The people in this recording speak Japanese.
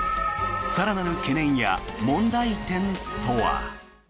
更なる懸念や問題点とは。